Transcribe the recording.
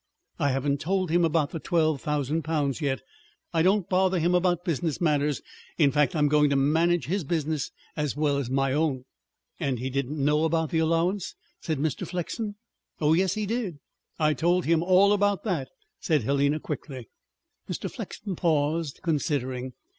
I haven't told him about the twelve thousand pounds yet. I don't bother him about business matters. In fact, I'm going to manage his business as well as my own." "And he didn't know about the allowance?" said Mr. Flexen. "Oh, yes, he did. I told him all about that," said Helena quickly. Mr. Flexen paused, considering.